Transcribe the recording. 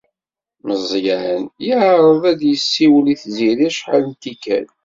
Meẓẓyan yeɛreḍ ad as-yessiwel i Tiziri acḥal n tikkal.